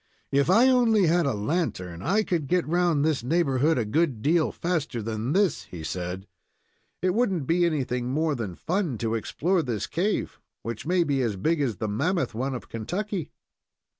"If I only had a lantern, I could get round this neighborhood a good deal faster than this," he said. "It wouldn't be anything more than fun to explore this cave, which may be as big as the mammoth one of Kentucky."